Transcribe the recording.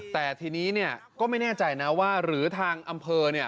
แต่ทีนี้ก็ไม่แน่ใจนะว่าหรือทางอำเภอ